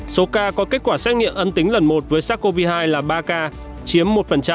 số ca có kết quả xét nghiệm âm tính lần một với sars cov hai là ba ca chiếm một